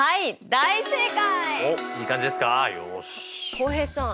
浩平さん